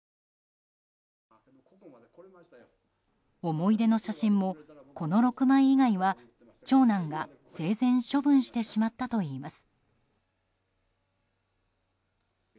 思い出の写真もこの６枚以外は長男が生前処分してしまったといいます。